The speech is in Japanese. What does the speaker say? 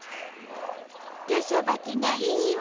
手さばきがいいわ。